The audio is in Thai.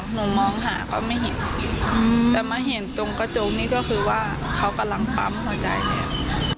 มองหาก็ไม่เห็นแต่มาเห็นตรงกระโจมนี้ก็คือว่าเขากำลังปั๊มหัวใจเนี่ย